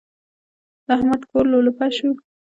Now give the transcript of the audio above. د احمد کور لولپه شو.